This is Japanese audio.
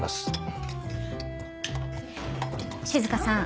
静さん。